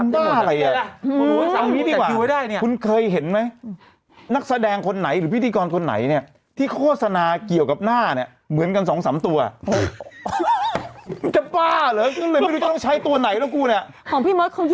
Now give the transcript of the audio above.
ของพี่เมิ๊กเขาแยกได้ไหมครับแซร่ำสีกันแดดมักหน้าฟอมรังหน้า๔ตัวมันก็แยก๑ตัวนี้ใช่ไหมครับ